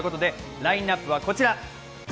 ラインナップはこちら。